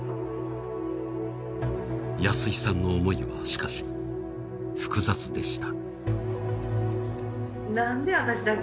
安井さんの思いはしかし複雑でした。